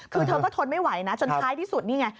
คือเธอก็ทนไม่ไหวนะจนท้ายที่สุดนี่ไง